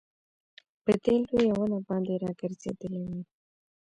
په دې لويه ونه باندي راګرځېدلې وې